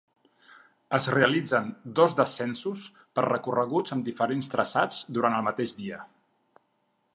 Es realitzen dos descensos per recorreguts amb diferents traçats durant el mateix dia.